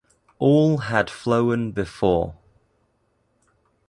All had flown before.